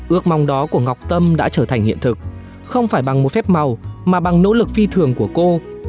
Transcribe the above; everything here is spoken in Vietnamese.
ước mong đó của ngọc tâm đã trở thành hiện thực không phải bằng một phép màu mà bằng nỗ lực phi thường của cô